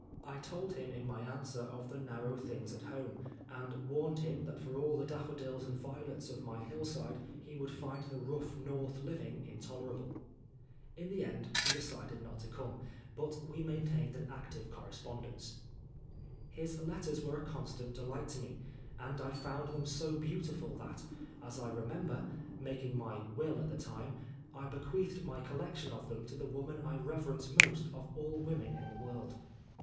I told him 81 6 Oscar Wilde in my answer of the narrow things at home, and warned him that for all the daffodils and violets of my hillside he would find the rough North living intolerable. In the end he decided not to come, but we main tained an active correspondence. His letters were a constant delight to me, and I found them so beautiful that, as I remember, making my will at that time, I bequeathed my collection of them to the woman I reverence most of all women in the world.